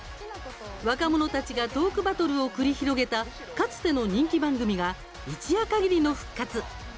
若者たちがトークバトルを繰り広げたかつての人気番組が一夜限りの復活。